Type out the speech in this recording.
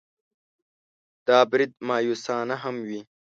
دا برید مأیوسانه هم وي.